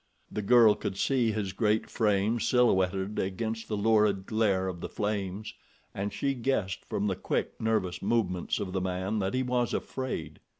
The girl could see his great frame silhouetted against the lurid glare of the flames, and she guessed from the quick, nervous movements of the man that he was afraid.